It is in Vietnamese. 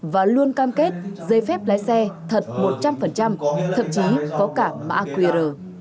và luôn cam kết giấy phép lái xe thật một trăm linh thậm chí có cả mã qr